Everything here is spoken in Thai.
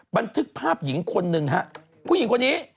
บันทึกภาพหญิงคนหนึ่งฮะผู้หญิงคนนี้